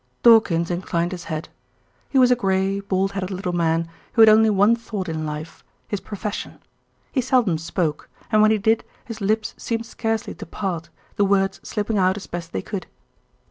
Dawkins inclined his head. He was a grey, bald headed little man who had only one thought in life, his profession. He seldom spoke, and when he did his lips seemed scarcely to part, the words slipping out as best they could.